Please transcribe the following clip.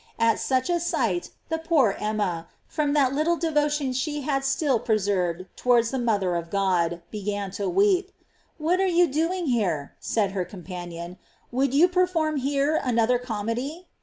At such a sight the poor Emrne, from that little devotion she had still preserved tow. ards the mother of God, began to weep. "What are we doing here?" said her companion; "would you perform here another comedy?"